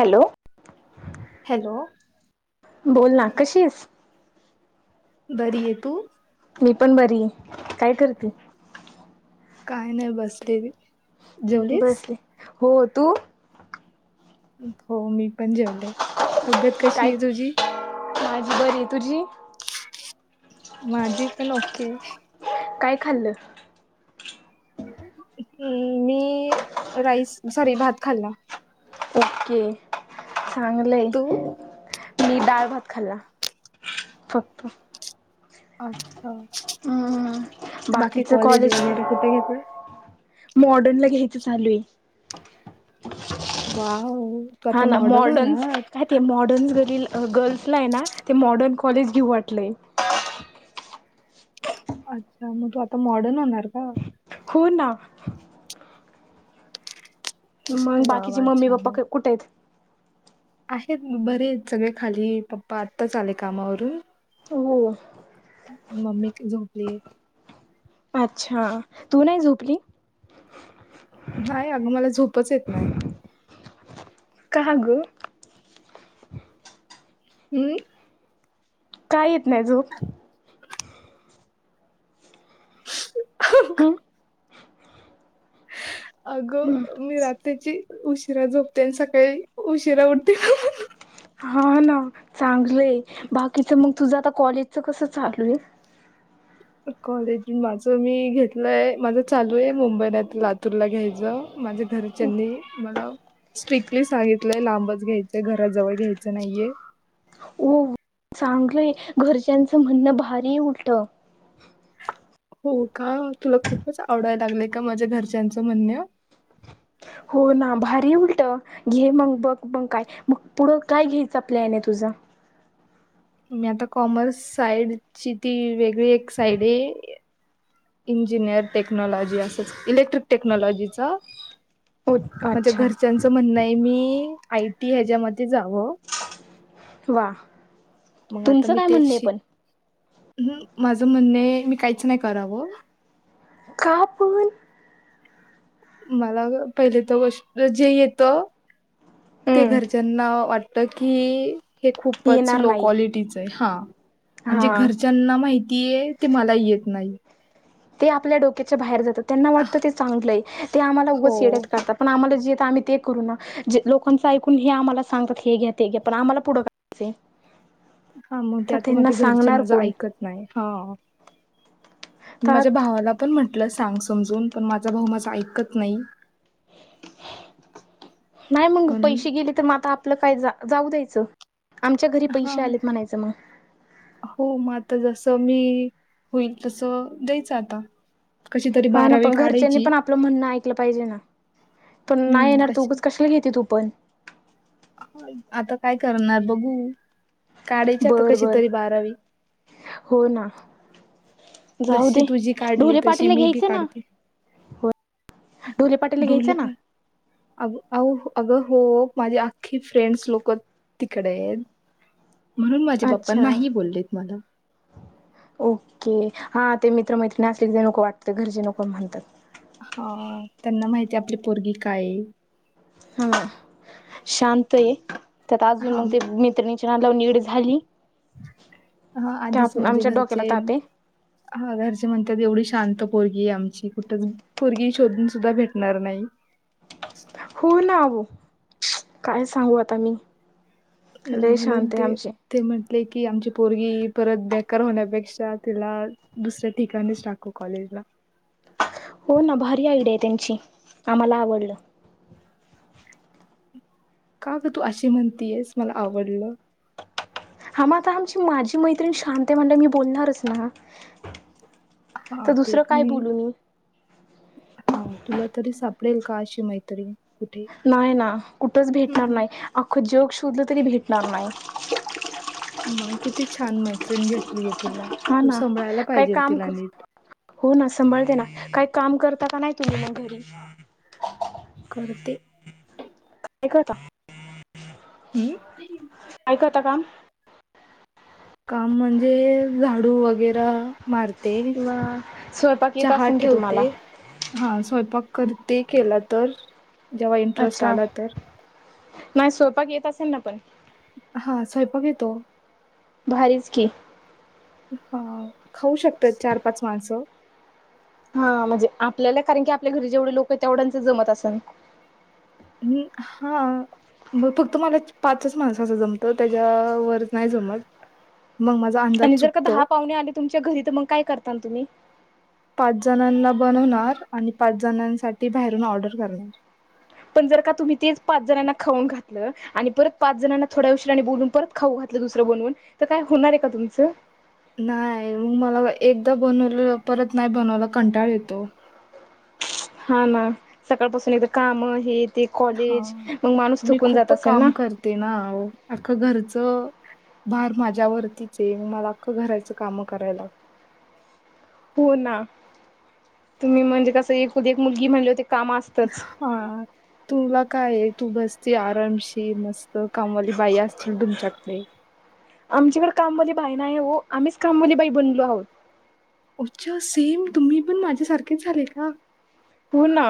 Hello. Hello बोल ना कशीएस? बरी ये. तू? मी पण बरी ए. काय करते? काही नाही बसलेली. जेवलीस बसले. हो तू? हो मी पण जेवले. तब्येत कशी काय आहे तुझी? माझी बरी ए. तुझी? माझी पण ओके. काय खाल्लं? हम्म. मी राईस सॉरी भात खाल्ला. ओके. चांगलंय. तू मी डाळ भात खाल्ला फक्त. अच्छा. हम्म बाकी बाकीचं कॉलेज वगैर कुठ घेतल? मॉडर्न ला घ्यायचं चालूए. वाव्ह. हा ना. मॉर्डर्नस का- ते मॉर्डर्नस [unintelligible] गर्ल्सला ए ना ते मॉडर्न कॉलेज घेऊ वाटलंय. अच्छा. म तू आता मॉडर्न होणार का? हो ना. मंग वा बाकीचे वा मम्मी पप्पा कुठे हेत? असेच बरे आहेत सगळे खाली ए. पप्पा आत्ताच आले कामावरून. हो. मम्मी ती झोपलेत. अच्छा, तू नाही झोपली? नाही अगं, मला झोपच येत नाही. का गं? हम्म. काय येत नाही झोप? [inaudible] हम्म. अगं, मी रात्रीची उशिरा झोपते आणि सकाळी उशिरा उठते. हा ना, चांगलंय. बाकीचं मग तुझं आता कॉलेजचं कसं चालू आहे.? कॉलेज माझं मी घेतलंय. माझं चालू आहे मुंबईला तुरला घ्यायचं. माझ्या घरच्यांनी मला स्ट्रिक्टली सांगितलंय. लांबच घ्यायचंय. घराजवळ घ्यायचं नाहीये. चांगलय. घरच्यांचं म्हणणं, भारीये उलट. हो, का? तुला खूपच आवडायला लागलेय का? माझ्या घरच्यांचं म्हणण. हो ना. भारीय उलट. घे मग बघ, मग काय? मग पुढं काय घ्यायचं प्लॅन आहे तुझा? मी आता कॉमर्स साइडची ती वेगळी एक साईड आहे. इंजिनिअर टेक्नॉलॉजी असंच, इलेक्ट्रिक टेक्नॉलॉजीच. हो माझ्या अच्छा घरच्यांचं म्हणणं आहे. मी आय टी ह्याच्यामध्ये जावं. वा, तुमचं काय म्हणणय पण? हम्म, माझं म्हणणे, मी काहीच नाही करावं. का पण? मला पहिली तर गोष्ट जे येत, ते हम्म घरच्यांना वाट त की, हे खूपच येणार लो नाही क्वालिटीच आहे हा. आणि जे हा घरच्यांना माहितीय, ते मला येत नाही. ते आपल्या डोक्याच्या बाहेर जातात, त्यांना वाटतं ते चांगलय, ते आम्हाला हो उगाच येड्यात काढतात. पण आम्हा जे येत आम्ही ते करू ना, जे लोकांच ऐकून हे आम्हाला सांगतात हे घ्या, ते घ्या पण आम्हाला पुढं करायचंय हा, मग ते तर आता त्यांना माझ्या घरचे सांगणार माझं कोण ऐकत नाही हा. तर माझ्या भावाला पण म्हंटलं सांग समजून, पण माझा भाऊ माझं ऐकत नाही. नाही, मग पण पैसे गेले तर, मग आता आपलं काय जाऊ द्यायचं. आमच्या घरी हा पैसे आलेत म्हणायचं मग. हो, मग आता जस मी होईल तस द्यायचं आता. कशी तरी हा ना, बारावी पण घरच्यांनी काढायची पण आपलं म्हणणं ऐकलं पाहिजे ना. पण नाही हम्म येणार तर, कशी उगाच कशाला घेते तू पण. आता काय करणार बघू, काढायची आता बर कशी बर तरी बारावी. हो ना. जाऊ जशी दे, तुझी काढली ढोले तशी पाटीलला मी बी घ्यायचं ना. काढते ढोले पाटीलला घ्यायच ना. अ अगं हो माझी आख्खी फ्रेंड्स लोक तिकडेत, म्हणून माझे पप्पा अच्छा नाही बोललेत मला. ओके. हा, ते मित्र मैत्रीण असली ते नको वाटतय, घरचे नको म्हणतात. ह, त्यांना माहिती आपली पोरगी काय. हा, शांत ये त्यात अजून हा मग ते मैत्रिणी लावून लावून येड झाली हा ते आधीच माझे आमच्या डोक्याला घरचे ताते हा घरचे म्हणतात एवढी शांत पोरगी आहे आमची कुठ पोरगी शोधून सुद्धा भेटणार नाही हो ना ओ, काय सांगू आता मी लय म्हणून शांत आहे ते आमची ते म्हटले की आमची पोरगी परत बेकार होण्यापेक्षा तिला दुसऱ्या ठिकाणीच टाकू कॉलेजला. हो ना भारी आयडिया आहे त्यांची आम्हाला आवडलं. का ग तू अशी म्हणतीयस मला आवडलं हां मग आता आमची माझी मैत्रीण शांत आहे म्हणल्यावर मी बोलणारच ना हा तर ते दुसरं पण काय आहे बोलूून? हा तुला तरी सापडेल का अशी मैत्रीण? कुठे नाय ना कुठंच भेटणार हम्म नाही अख्खं जग शोधलं तरी भेटणार नाही. मग किती छान मैत्रिण भेटलीय तुला. हा तू ना. सभळायला काही पाहिजेल काम तिला कर नीट हो ना सांभाळते ना काही काम करता का नाही तुम्ही मग घरी. करते निघ आता हम्म. ऐकता का. काम म्हणजे झाडू वगैरे मारते, वा स्वयंपाक येत चहा असेल की तुम्हाला ठेवते हा स्वयंपाक करते केला तर जेव्हा इंटरेस्ट अच्छा आला तर नाही स्वयंपाक येत असेल ना पण? हा स्वयंपाक येतो. भारीच की. अह खाऊ शकतात चार पाच माणसं हा म्हणजे आपल्याला कारण की आपल्या घरी जेवढे लोक आहेत तेवढ्यांच जमत असेल. मी हा मग फक्त मला पाचच माणसाच जमत त्याच्यावर नाही जमत मग मा आणि जर का दहा पाहुणे आले तुमच्या घरी तर मग काय करताल तुम्ही पाच जणांना बनवणार आणि पाच जणांसाठी बाहेरून ऑर्डर करणार. पण जर का तुम्ही तेच पाच जणांना खाऊन घातलं आणि परत पाच जणांना थोड्या उशिराने बोलून परत खाऊ घातलं दुसरं बनवून तर काय होणार आहे का तुमचं? नाही मग मला एकदा बनवलेलं परत नाही बनवायला, कंटाळ येतो. हा ना सकाळपासून एकदा काम हे ते कॉलेज हां, मग माणूस थकून जात असेल ना ते ना आहो, आख्खं घरचं भार माझ्या वरतीच आहे. मला अख्खं घराचं कामं करायला लागत हो ना. तुम्ही म्हणजे कसं एकुलती एक मुलगी म्हटल्यावर काम असतच हा तुला काये तू बसती आरामशीर म स्त कामवाली बाई असतील तुमच्याकडे. आमच्याकडे कामवाली बाई नाही हो. आम्हीच कामवाली बाई बनलो आहोत. अच्छा सेम तुम्ही पण माझ्यासारखेच झाले का. हो ना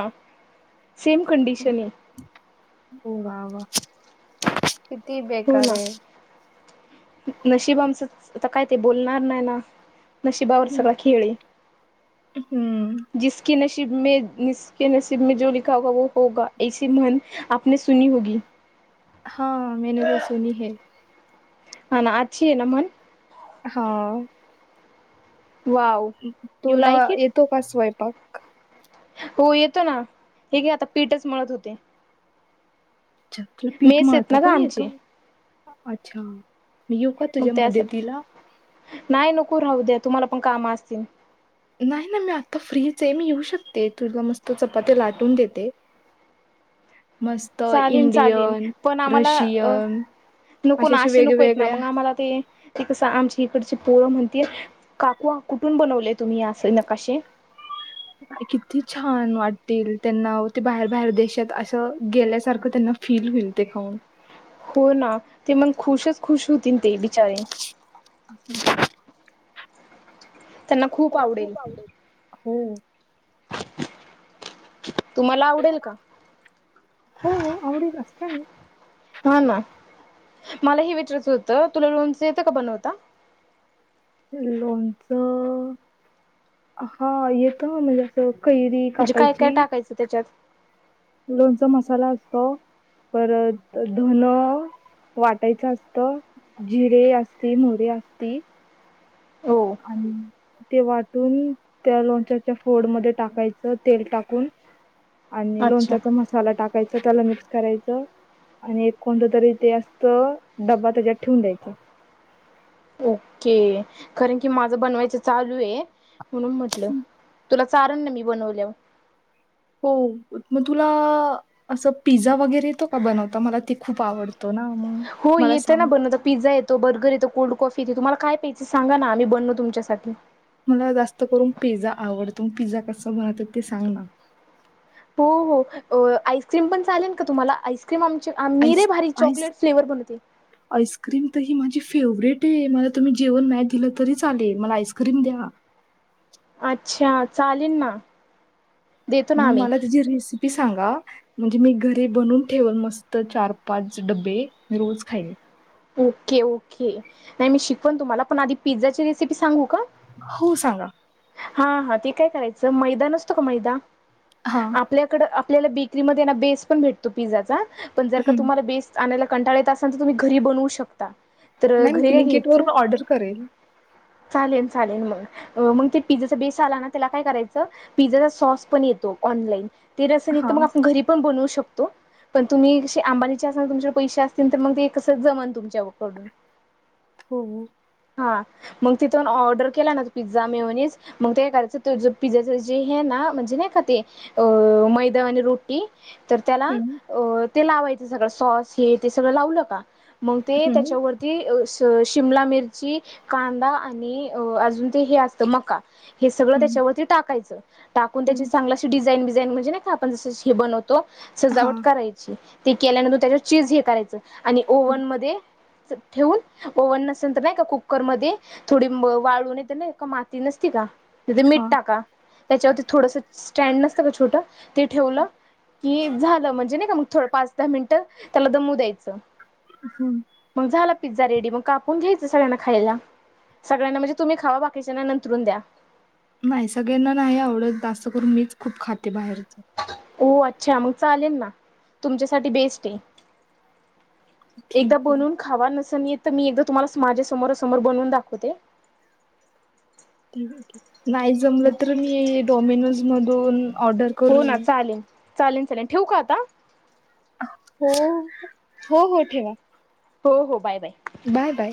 सेम कंडीशन आहे. हो वा वा किती बेकार आहे. नशिब आमचं, आता काय ते बोलणार नाही ना. नशिबावर सगळा खेळ ये. हम्म. जिस क नसिब मे जिस के नसिब मे जो लिखा होगा वो होगा ऐस म्हण आपने सुनी होगी? हा मेने तो सुनी है. हा ना अच्छी हे ना मण? हा. वाव. यू तुला लाईक इट येतो का स्वयंपाक? हो येतो ना, हे घे आता पीठच मळत होते. अच्छा! तुला पीठ मेस आहेत मळता ना ग पण आमची येतं? अच्छा! मी येऊ का मग तुझ्या त्यासाठी मदतीला? नाही नको राहू द्या, तुम्हाला पण काम असतील. नाही नाही मी आता फ्रीच ये, मी येऊ शकते तुला मस्त चपाती लाटून देते. मस्त चालेल चालेल इंडियन, पण आम्हाला अ रशियन नको अशा ना अशा असे नको येत ना, वेगवेगळ्या मग आम्हाला ते ते कसं आमच्या इकडचे पोरं म्हणतील, काकू आ कुठून बनवलेय तुम्ही असे नकाशे? किती छान वाटतील त्यांना, ते बाहेर बाहेर देशात असं गेल्यासारखं त्यांना फील होईल ते खाऊन हो ना, ते मग खुशच- खुश होतील ते बिचारे. अच् [inaudible] त्यांना खूप आवडेल. हो तुम्हाला आवडेल का? हो आवडेल ना, अस काय ये? हा ना, मला हे विचारायचं होतं तुला लोणच येतं का बनवता? लोणच, हा येतं म्हणजे असं कैरी म्हणजे काय काय टाकायचं त्याच्यात? लोणच मसाला असतो. परत धन वाटायच असत, जिरे असते, मोहरी असती. हो आणि. ते वाटून, त्या लोणच्याच्या फोडमध्ये टाकायचं तेल टाकून आणि अच्छा लोणच्याचा मसाला टाकायचा त्याला मिक्स करायचं आणि एक कोणतं तरी ते असतं डब्बा, त्याच्यात ठेवून द्यायचं. ओके, कारण की माझं बनवायच चालू ये म्हणून म्हटलं. तुला चारण ना मी बनवल्यावर. हो, मग तुला असं पिझ्झा वगैरे येतो का बनवता? मला ते खूप आवडतो ना मग हो मला येतं ना सांग बनवता पिझ्झा येत तो बर्गर येतो, कोल्ड कॉफी येते, तुम्हाला काय प्यायच सांगा ना आम्ही बनवू तुमच्यासाठी. मला जास्त करून पिझ्झा आवडतो. पिझ्झा कसा बनवतात ते सांगा? हो हो आईस्क्रीम पण चालेल का तुम्हाला आईस ते मग आमचे मी आईस लय भारी आईस चॉकलेट फ्लेवर बनवते. आईस्क्रीम तर ही माझी फेवरेट ये, मला तुम्ही जेवण नाही दिलं तरी चालेल मला आईस्क्रीम द्या. अच्छा! चालेल ना. देतो ना आम्ही मला त्याची रेसिपी सांगा. म्हणजे मी घरी बनून ठेवन, मस्त चार -पाच डबे, मी रोज खाईन. ओके, ओके, नाही मी शिकवन तुम्हाला पण आधी पिझ्झाची रेसिपी सांगू का? हो सांगा. हा, हा ते काय करायचं, मैदा नसतो का मैदा. हा. आपल्याकड, आपल्याला बेकरीमध्ये ना बेस पण भेटतो पिझ्झाचा, पण जर का हं. तुम्हाला बेस आणायला कंटाळा येत असेल तर तुम्ही घरी बनवू शकता, तर नाही मी घरी काय ब्लिंकिट घ्यायचं. वरून ऑर्डर करेल. चालेल, चालेल मग. मग ते पिझ्झाचा बेस आला ना त्याला काय करायचं, पिझ्झाचा सॉस पण येतो ऑनलाइन. ते रसनी तर हां. मग घरी पण बनवू शकतो, पण तुम्ही आंबानीच्या सारखं पैशे असतील कर ते कसं जमन. तुमच्याकडून. हो. हा, मग तिथून ऑर्डर केला ना पिझ्झा, मैऊनीज मग ते एखाद्याच त पिझ्झाच जे हे ना, म्हणजे नाय का ते अ मैदावाणी रोटी तर त्याला हं, अ, ते लावायचं सगळं, सॉस हे ते सगळं लावलं का. मग ते हं, त्याच्यावर ती, स शिमला मिरची, कांदा आणि अजून ते हे असतं मका. हे सगळं हं, त्याच्यावरती टाकायचं, टाकून त्याची हं. चांगला डिझाईन, विझाईन म्हणजे का आपण जस हे बनवतो, सजावट हां, करायच. ते केल्यानंतर तेज्यात चीज हे करायच आणि ओव्हण हं, म ठेवून, ओव्हन नसेल तर नाही का कुकरमध्ये थोडी वाळू नाही, येते ना का माती नसती का. तिथे मीठ हां, टाका, त्याच्यावरती थोडस स्टँड नसतं का छोटं, ते ठेवलं कि झालं म्हणजे नाही का मग थोडं पाच-दहा मिनिटं त्याला दमू द्यायचं. हम्. मग झाला पिझ्झा रेडी मग कापून घ्यायचं सगळ्यांना खायला. सगळ्यांना म्हणजे तुम्ही खावा, बाकीच्याना नंतरून द्या. नाही सगळ्यांना नाही आवडत, जास्त करून मीच खूप खाते बाहेरच. हो, अच्छा मग चालेल ना, तुमच्यासाठी बेस्ट हेय. ठीक एकदा आहे, बनवून खावा नसन येत मी एकदा तुम्हाला माझ्या समोरासमोर बवून दाखवते. नाही जमलं तर मी डोमिनोज मधून ऑर्डर हो ना करून चालेल, चालेल, चालेल ठेवू का आता? हो, हो हो ठेवा. हो, हो बाय, बाय. Bye, bye.